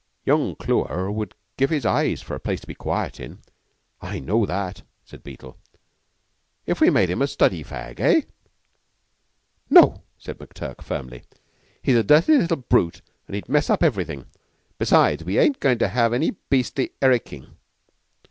"Young Clewer would give his eyes for a place to be quiet in. I know that," said Beetle. "If we made him a study fag, eh?" "No!" said McTurk firmly. "He's a dirty little brute, and he'd mess up everything. Besides, we ain't goin' to have any beastly Erickin'.